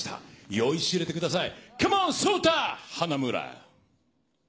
酔いしれてください。